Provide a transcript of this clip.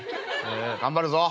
「頑張るぞ。